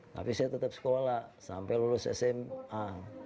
tapi saya tetap sekolah sampai lulus sma